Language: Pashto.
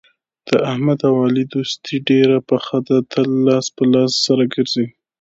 د احمد او علي دوستي ډېره پخه ده تل لاس په لاس سره ګرځي.